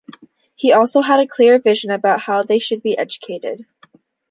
He also had a clear vision about how they should be educated.